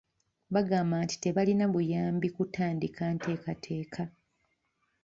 Baagamba nti tebaalina buyambi kutandika nteekateeka.